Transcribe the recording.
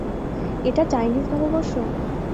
এটা চাইনিজ নববর্ষ!